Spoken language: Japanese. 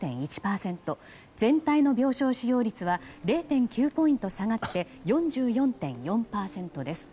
全体の病床使用率は０．９ポイント下がって４４．４％です。